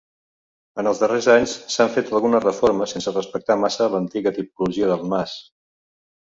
En els darrers anys, s'han fet algunes reformes sense respectar massa l'antiga tipologia del mas.